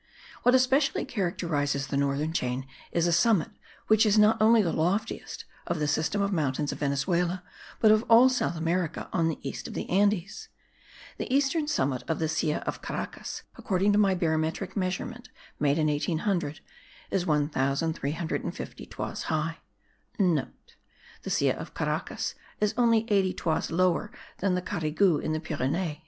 What especially characterizes the northern chain is a summit which is not only the loftiest of the system of the mountains of Venezuela, but of all South America, on the east of the Andes. The eastern summit of the Silla of Caracas, according to my barometric measurement made in 1800, is 1350 toises high,* (* The Silla of Caracas is only 80 toises lower than the Canigou in the Pyrenees.)